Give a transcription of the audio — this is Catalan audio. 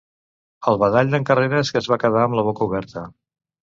El badall d'en Carreres, que es va quedar amb la boca oberta.